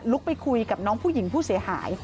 ไปคุยกับน้องผู้หญิงผู้เสียหาย